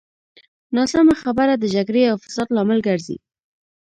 ناسمه خبره د جګړې او فساد لامل ګرځي.